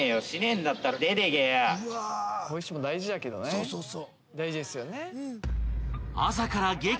そうそうそう。